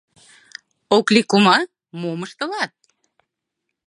Окли кума, мом ыштылат?